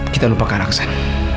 kita lupakan aksan